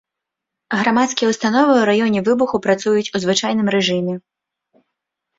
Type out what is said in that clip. Грамадскія ўстановы ў раёне выбуху працуюць у звычайным рэжыме.